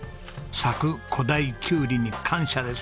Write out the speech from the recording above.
佐久古太きゅうりに感謝ですね。